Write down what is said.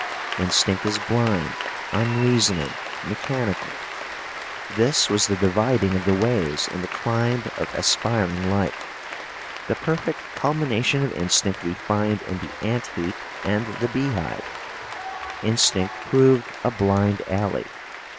Instinct is blind, unreasoning, mechanical. This was the dividing of the ways in the climb of aspiring life. The perfect culmination of instinct we find in the ant heap and the beehive. Instinct proved a blind alley.